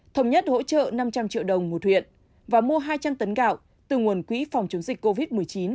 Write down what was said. thống nhất hỗ trợ năm trăm linh triệu đồng một huyện và mua hai trăm linh tấn gạo từ nguồn quỹ phòng chống dịch covid một mươi chín